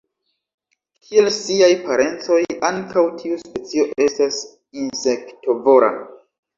Kiel siaj parencoj, ankaŭ tiu specio estas insektovora.